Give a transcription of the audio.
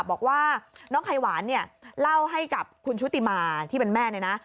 บอกว่าน้องไขหวานเนี่ยเล่าให้กับคุณชุติมาที่เป็นแม่เนี่ยนะ